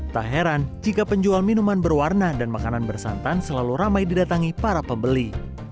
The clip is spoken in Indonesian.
tak heran jika penjual minuman berwarna dan makanan bersantan selalu ramai didatangi para pembeli